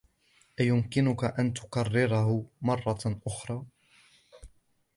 أيمكنك أن تكرره مرة أخرى ؟